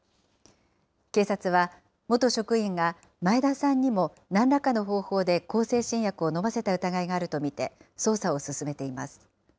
警察は元職員が前田さんにもなんらかの方法で向精神薬を飲ませた疑いがあると見て、捜査を進めています。